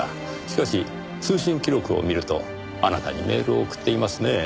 しかし通信記録を見るとあなたにメールを送っていますねぇ。